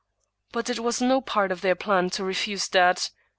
But it was no part of their plan to refuse that.